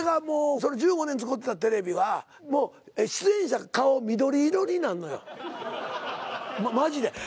その１５年使うてたテレビはもう出演者顔緑色になんのよ。マジで。